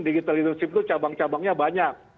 digital leadership itu cabang cabangnya banyak